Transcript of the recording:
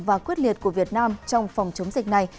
và quyết liệt của việt nam trong phòng chống dịch này